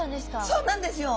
そうなんです。